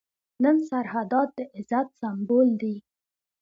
نن سرحدات د عزت سمبول دي.